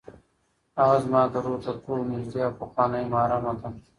هغه زما د روح تر ټولو نږدې او پخوانۍ محرمه ده.